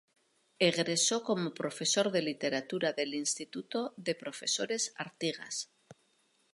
Egresó como profesor de literatura del Instituto de Profesores Artigas.